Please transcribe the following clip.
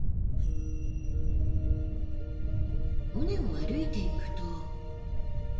尾根を歩いていくと。